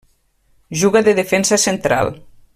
Juga de defensa central.